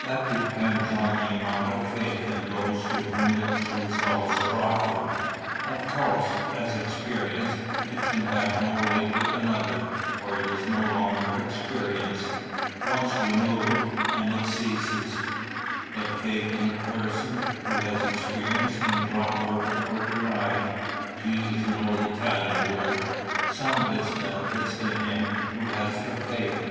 "That depends on the amount of faith in those to whom its results are offered. Of course, as experience, it can have no weight with another; for it is no longer experience. One remove, and it ceases. But faith in the person who has experienced can draw over or derive to use an old Italian word some of its benefits to him who has the faith.